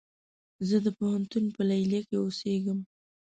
زه د پوهنتون په ليليه کې اوسيږم